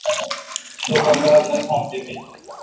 تو پا کار نہ تھون تی بی۔